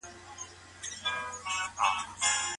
کمپيوټر حديث لټوي.